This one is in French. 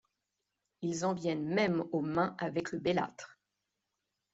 Il en viennent même aux mains avec le bellâtre.